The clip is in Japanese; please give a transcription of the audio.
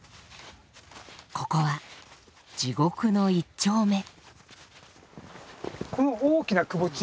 ここは地獄の一丁目。